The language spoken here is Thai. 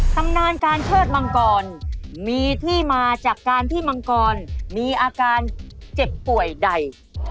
ตำนานการเชิดมังกรมีที่มาจากการที่มังกรมีอาการเจ็บป่วยใด